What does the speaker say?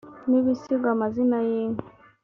n ibisigo amazina y inka